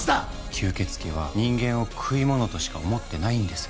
吸血鬼は人間を食い物としか思ってないんですよ。